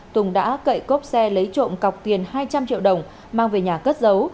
tùng đã cậy cốp xe lấy trộm cọc tiền hai trăm linh triệu đồng mang về nhà cất giấu